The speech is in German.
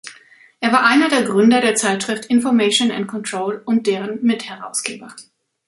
Er war einer der Gründer der Zeitschrift "Information and Control" und deren Mitherausgeber.